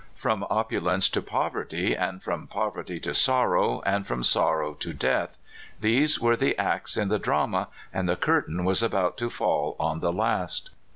From opulence to poverty, and from poverty to sorrow, and from sorrow to death — these were the acts in the drama, and the curtain was about to fall on the last.